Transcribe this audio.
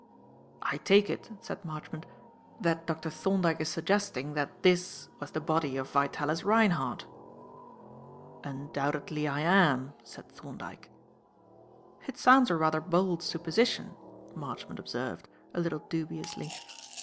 "I take it," said Marchmont, "that Dr. Thorndyke is suggesting that this was the body of Vitalis Reinhardt." "Undoubtedly I am," said Thorndyke. "It sounds a rather bold supposition," Marchmont observed, a little dubiously.